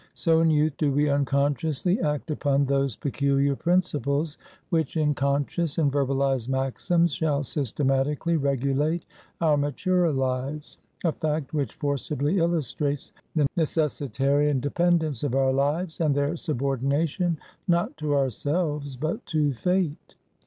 So, in youth, do we unconsciously act upon those peculiar principles, which in conscious and verbalized maxims shall systematically regulate our maturer lives; a fact, which forcibly illustrates the necessitarian dependence of our lives, and their subordination, not to ourselves, but to Fate.